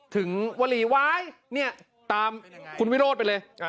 วลีวายเนี่ยตามคุณวิโรธไปเลย